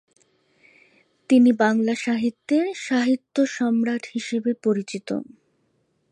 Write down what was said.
তিনি বাংলা সাহিত্যের সাহিত্য সম্রাট হিসেবে পরিচিত।